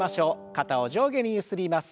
肩を上下にゆすります。